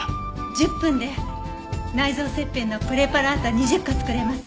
１０分で内臓切片のプレパラート２０個作れます。